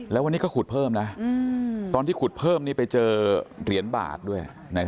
แล้ววันนี้ก็ขุดเพิ่มนะตอนที่ขุดเพิ่มไปเจอเหรียญบาทด้วย